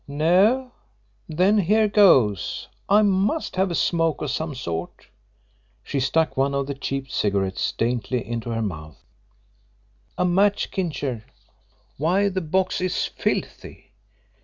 "No? Then here goes I must have a smoke of some sort." She stuck one of the cheap cigarettes daintily into her mouth. "A match, Kincher! Why, the box is filthy!